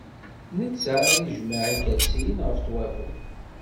Netta ad ijmeɛ ikersiyen, ɣef ṭwabel.